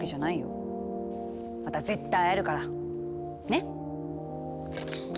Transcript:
また絶対会えるから。ね？